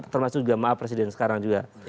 termasuk juga maaf presiden sekarang juga